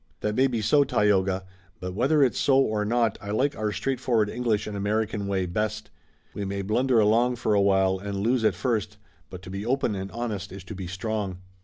"That may be so, Tayoga, but whether it's so or not I like our straightforward English and American way best. We may blunder along for a while and lose at first, but to be open and honest is to be strong."